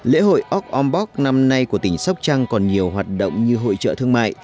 lễ hội ok ombok năm nay của tỉnh sóc trăng còn nhiều hoạt động như hội trợ thương mại